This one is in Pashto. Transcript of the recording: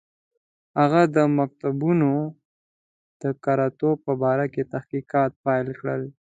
هغه د مکتوبونو د کره توب په باره کې تحقیقات پیل کړل.